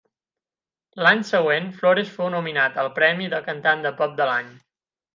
L'any següent, Flores fou nominat al premi de Cantant de pop de l'any.